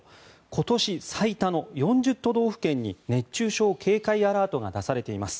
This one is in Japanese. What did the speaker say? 今年最多の４０都道府県に熱中症警戒アラートが出されています。